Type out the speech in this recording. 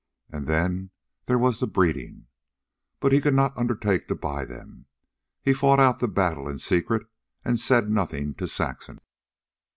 And then there was the breeding. But he could not undertake to buy them. He fought out the battle in secret and said nothing to Saxon.